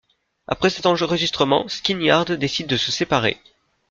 Après cet enregistrement, Skin Yard décide de se séparer.